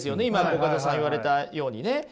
今コカドさん言われたようにね。